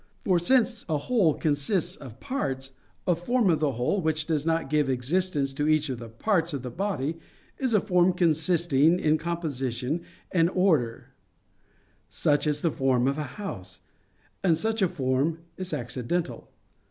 For since a whole consists of parts, a form of the whole which does not give existence to each of the parts of the body, is a form consisting in composition and order, such as the form of a house; and such a form is accidental.